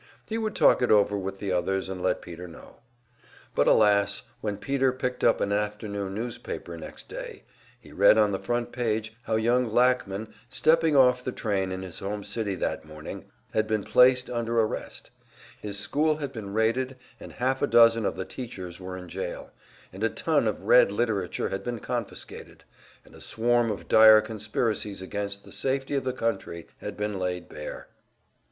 He would talk it over with the others, and let Peter know. But alas, when Peter picked up an afternoon newspaper next day, he read on the front page how young Lackman, stepping off the train in his home city that morning, had been placed under arrest; his school had been raided, and half a dozen of the teachers were in jail, and a ton of Red literature had been confiscated, and a swarm of dire conspiracies against the safety of the country had been laid bare!